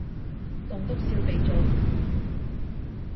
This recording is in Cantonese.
棟篤笑鼻祖